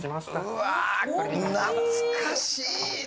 うわー、懐かしいな。